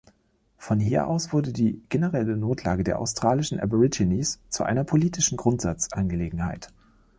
Von hier aus wurde die generelle Notlage der australischen Aborigines zu einer politischen Grundsatzangelegenheit.